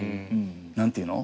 何ていうの。